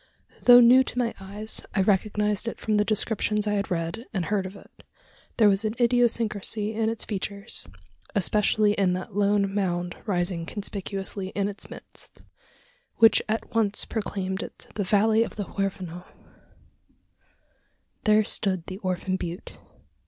Though new to my eyes, I recognised it from the descriptions I had read and heard of it. There was an idiosyncrasy in its features especially in that lone mound rising conspicuously in its midst which at once proclaimed it the valley of the Huerfano. There stood the "Orphan Butte."